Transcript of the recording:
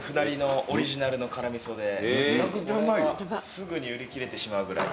すぐに売り切れてしまうぐらい。